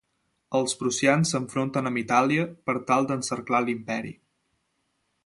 Els prussians s'enfronten amb Itàlia per tal d'encerclar l'Imperi.